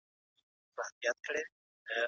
افضل خان خټک د پښتنو په اړه ډېر څه لیکلي دي.